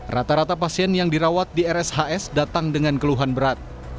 rata rata pasien yang dirawat di rshs datang dengan keluhan berat